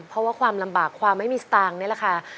เพราะว่าความลำบากความไม่มีสตางค์นี่แหละค่ะ